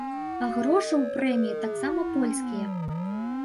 А грошы ў прэміі таксама польскія.